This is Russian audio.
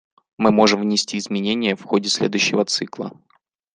Мы можем внести изменение в ходе следующего цикла.